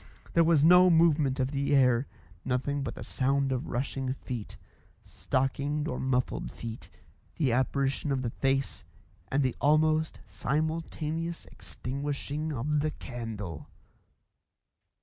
There was no movement of the air; nothing but the sound of rushing feet stockinged or muffled feet; the apparition of the face; and the almost simultaneous extinguishing of the candle.